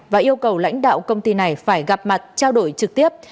và yêu cầu lãnh đạo công ty này phải gặp mặt trao đổi trực tiếp